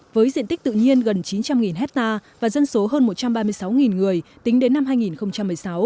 với diện tích tự nhiên gần chín trăm linh hectare và dân số hơn một trăm ba mươi sáu người tính đến năm hai nghìn một mươi sáu